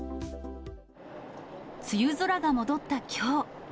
梅雨空が戻ったきょう。